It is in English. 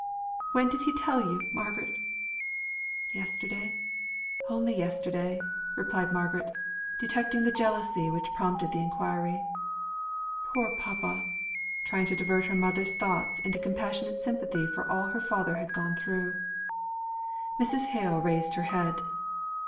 "When did he tell you, Margaret?" "Yesterday, only yesterday," replied Margaret, detecting the jealousy which prompted the inquiry. "Poor papa!" trying to divert her mother's thoughts into compassionate sympathy for all her father had gone through. Mrs. Hale raised her head.